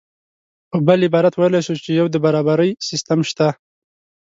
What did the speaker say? په بل عبارت ویلی شو چې یو د برابرۍ سیستم شته